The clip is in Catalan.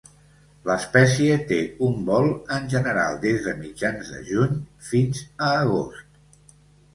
L'espècie té un vol, en general des de mitjans de juny fins a agost.